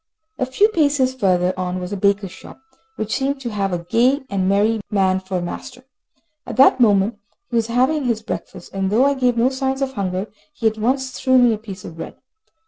A few paces further on was a baker's shop, which seemed to have a gay and merry man for a master. At that moment he was having his breakfast, and though I gave no signs of hunger, he at once threw me a piece of bread.